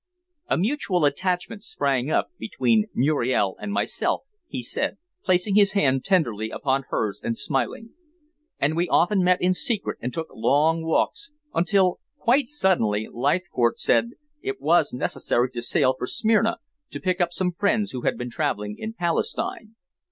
A mutual attachment sprang up between Muriel and myself," he said, placing his hand tenderly upon hers and smiling, "and we often met in secret and took long walks, until quite suddenly Leithcourt said that it was necessary to sail for Smyrna to pick up some friends who had been traveling in Palestine.